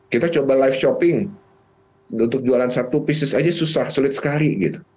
kita coba live shopping untuk jualan satu bisnis aja susah sulit sekali gitu